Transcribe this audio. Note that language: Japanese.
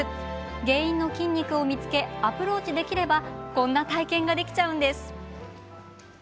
原因の筋肉を見つけアプローチできればこんな体験ができちゃうんです。